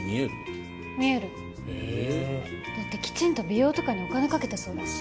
だってきちんと美容とかにお金かけてそうだし。